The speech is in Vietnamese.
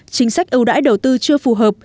chính sách ưu đãi đầu tư chưa phù hợp